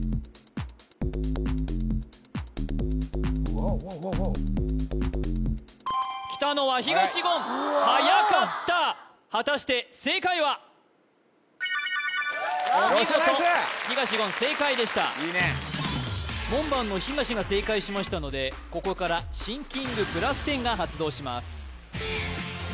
ワオワオワオワオきたのは東言はやかった果たして正解はお見事東言正解でした門番の東が正解しましたのでここからシンキング＋１０が発動します